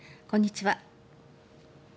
こんにちは。